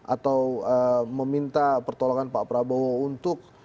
atau meminta pertolongan pak prabowo untuk